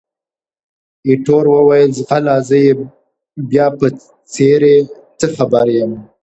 ایټور وویل، ځغله! زه یې بیا په څېرې څه خبر یم؟